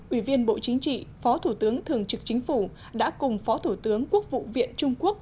ủy viên bộ chính trị phó thủ tướng thường trực chính phủ đã cùng phó thủ tướng quốc vụ viện trung quốc